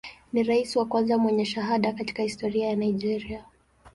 Ni rais wa kwanza mwenye shahada katika historia ya Nigeria.